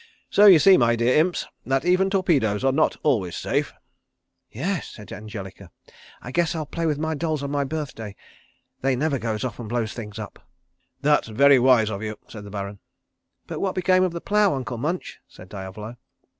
So you see, my dear Imps, that even torpedoes are not always safe." "Yes," said Angelica. "I guess I'll play with my dolls on my birthday. They never goes off and blows things up." "That's very wise of you," said the Baron. "But what became of the plough, Uncle Munch?" said Diavolo.